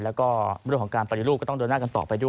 แล้วก็เรื่องของการปฏิรูปก็ต้องเดินหน้ากันต่อไปด้วย